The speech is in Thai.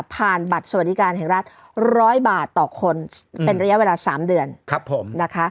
บัตรสวัสดิการแห่งรัฐ๑๐๐บาทต่อคนเป็นระยะเวลา๓เดือนนะคะ